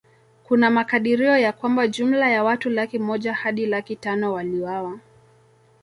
Kuna makadirio ya kwamba jumla ya watu laki moja hadi laki tano waliuawa